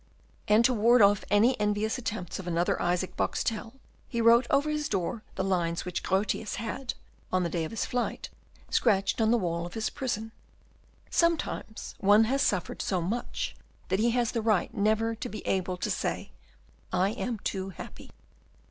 And to ward off any envious attempts of another Isaac Boxtel, he wrote over his door the lines which Grotius had, on the day of his flight, scratched on the walls of his prison: "Sometimes one has suffered so much that he has the right never to be able to say, 'I am too happy.